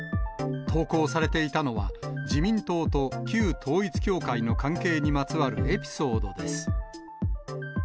投稿されていたのは、自民党と旧統一教会の関係にまつわるエピソードです。